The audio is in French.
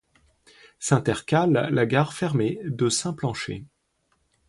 S'intercale la gare fermée de Saint-Planchers.